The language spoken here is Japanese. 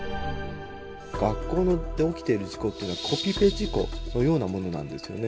学校で起きている事故っていうのはコピペ事故のようなものなんですよね。